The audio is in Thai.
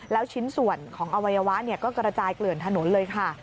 แล้วชิ้นส่วนของอวัยวะก็กระจายเกลื่อนถนนเลยค่ะ